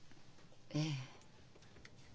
ええ。